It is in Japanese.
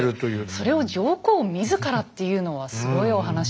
それを上皇自らっていうのはすごいお話ですよね。